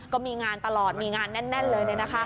ก็มีงานตลอดมีงานแน่นเลยเลยนะคะ